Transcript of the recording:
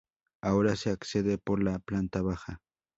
Ahora se accede por la planta baja.